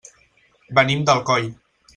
Venim d'Alcoi.